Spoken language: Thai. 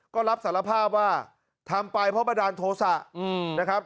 ก็รับสารภาพว่าทำไปเพราะบันดาลโทษะนะครับ